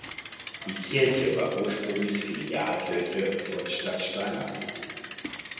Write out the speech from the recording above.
Die Kirche war ursprünglich Filialkirche von Stadtsteinach gewesen.